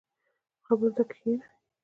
خبرو ته کښیني.